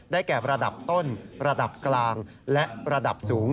แก่ระดับต้นระดับกลางและระดับสูง